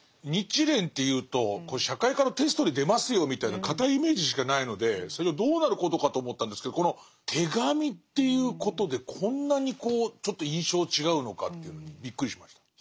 日蓮っていうと社会科のテストに出ますよみたいな堅いイメージしかないので最初どうなることかと思ったんですけどこの手紙っていうことでこんなにちょっと印象違うのかっていうのにびっくりしました。